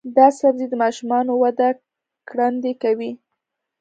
دا سبزی د ماشومانو وده ګړندۍ کوي.